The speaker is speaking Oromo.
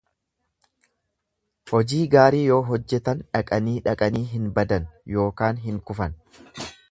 Hojii gaarii yoo hojjetan dhaqanii dhaqanii hin badan ykn hin kufan.